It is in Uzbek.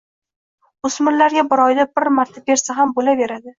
o‘smirlarga bir oyda bir marta bersa ham bo‘laveradi.